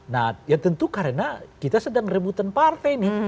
nah ya tentu karena kita sedang rebutan partai nih